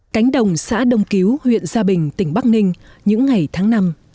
cánh đồng xã đông cứu huyện gia bình tỉnh bắc ninh những ngày tháng năm